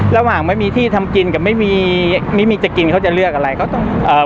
ระหว่างไม่มีที่ทำกินกับไม่มีจะกินเขาจะเลือกอะไร